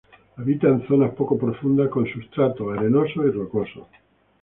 Habita en zonas poco profundas con substrato arenosos y rocosos.